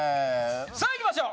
さあいきましょう！